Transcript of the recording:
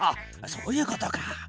そういうことか。